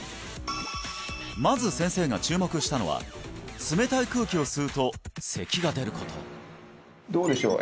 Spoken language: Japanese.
まず先生が注目したのは冷たい空気を吸うと咳が出ることどうでしょう？